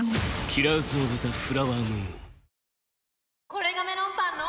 これがメロンパンの！